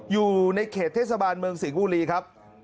อยู่ในเขตเทศบาลเมืองสิงห์บุรีครับ